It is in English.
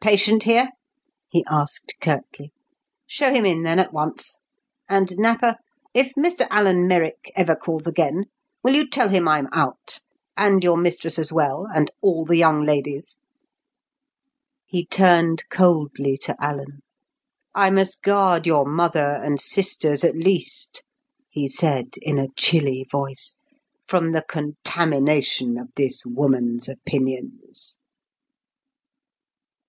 "Patient here?" he asked curtly. "Show him in then at once. And, Napper, if Mr Alan Merrick ever calls again, will you tell him I'm out?—and your mistress as well, and all the young ladies." He turned coldly to Alan. "I must guard your mother and sisters at least," he said in a chilly voice, "from the contamination of this woman's opinions."